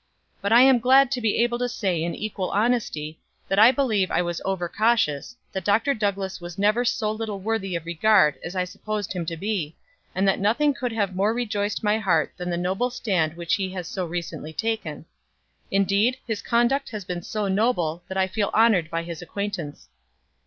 But I am glad to be able to say in equal honesty that I believe I was over cautious, that Dr. Douglass was never so little worthy of regard as I supposed him to be, and that nothing could have more rejoiced my heart than the noble stand which he has so recently taken. Indeed his conduct has been so noble that I feel honored by his acquaintance."